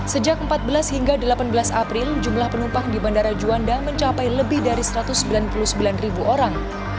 sejak empat belas hingga delapan belas april jumlah penumpang di bandara juanda mencapai lebih dari satu ratus sembilan puluh sembilan ribu orang